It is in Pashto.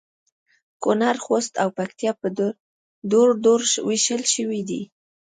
کونړ ، خوست او پکتیا په درو درو ویشل شوي دي